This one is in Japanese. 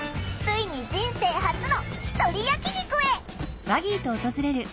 ついに人生初のひとり焼き肉へ！